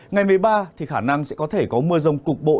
ngày một mươi ba thì khả năng sẽ có thể có mưa rông cục bộ